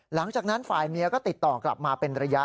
หลังจากนั้นฝ่ายเมียก็ติดต่อกลับมาเป็นระยะ